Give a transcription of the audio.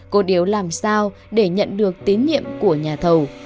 cô điếu làm sao để nhận được tín nhiệm của nhà thầu